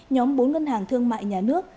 nhóm bốn ngân hàng thương mại nhà nước